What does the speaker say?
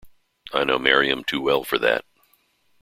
I know Maryam too well for that.